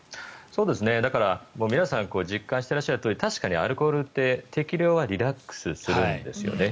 だから、皆さん実感していらっしゃるとおり確かにアルコールって適量はリラックスするんですよね。